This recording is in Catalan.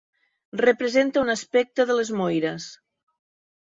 Representa un aspecte de les moires.